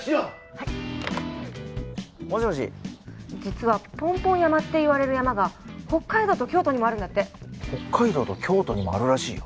はいもしもし実はポンポン山っていわれる山が北海道と京都にもあるんだって北海道と京都にもあるらしいよ